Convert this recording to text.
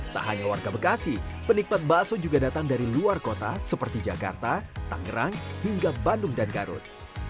tak hanya warga bekasi penikmat bakso juga datang dari luar kota seperti jakarta tangerang hingga bandung dan garut